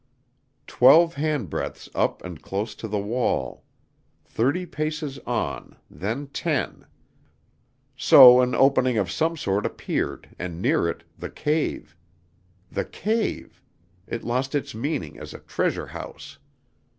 Twelve handbreadths up and close to the wall; thirty paces on, then ten; so an opening of some sort appeared and near it, the cave. The cave it lost its meaning as a treasure house.